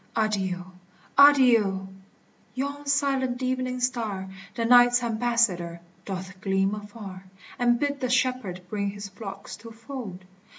Adieu ! Adieu ! yon silent evening star, The night's ambassador, doth gleam afar, And bid the shepherd bring his flocks to fold.